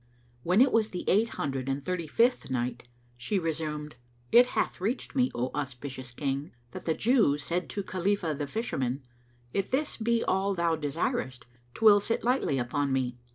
When it was the Eight Hundred and Thirty fifth Night, She resumed, It hath reached me, O auspicious King, that the Jew said to Khalifah the Fisherman, "If this be all thou desirest, 'twill sit lightly upon me."